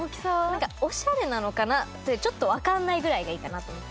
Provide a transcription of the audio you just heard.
オシャレなのかな？ってちょっとわからないぐらいがいいかなと思って。